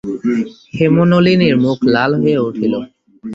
হেমনলিনীর মুখ লাল হইয়া উঠিল।